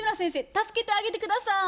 助けてあげて下さい！